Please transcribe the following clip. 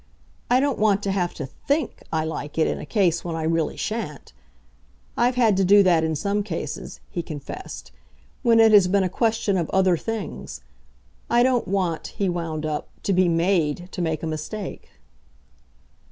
I don't want to have to THINK I like it in a case when I really shan't. I've had to do that in some cases," he confessed "when it has been a question of other things. I don't want," he wound up, "to be MADE to make a mistake."